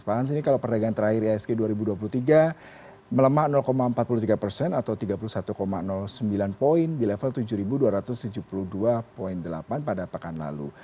pak hans ini kalau perdagangan terakhir ihsg dua ribu dua puluh tiga melemah empat puluh tiga persen atau tiga puluh satu sembilan poin di level tujuh dua ratus tujuh puluh dua delapan pada pekan lalu